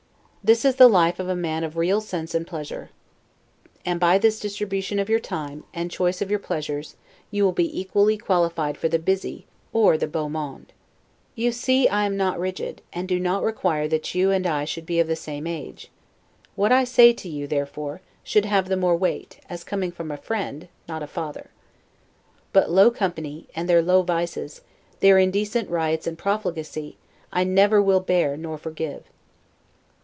This is the life of a man of real sense and pleasure; and by this distribution of your time, and choice of your pleasures, you will be equally qualified for the busy, or the 'beau monde'. You see I am not rigid, and do not require that you and I should be of the same age. What I say to you, therefore, should have the more weight, as coming from a friend, not a father. But low company, and their low vices, their indecent riots and profligacy, I never will bear nor forgive.